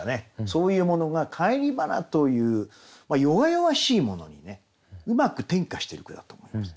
そういうものが返り花という弱々しいものにねうまく転化してる句だと思います。